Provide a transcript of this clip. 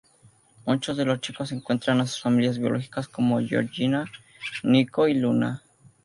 Muchos de los chicos encuentran a sus familias biológicas, como Georgina, Nico y Luna.